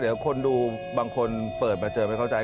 เดี๋ยวคนดูบางคนเปิดมาเจอไม่เข้าใจ